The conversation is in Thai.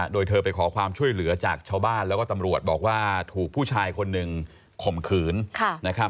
โดยเธอไปขอความช่วยเหลือจากชาวบ้านแล้วก็ตำรวจบอกว่าถูกผู้ชายคนหนึ่งข่มขืนนะครับ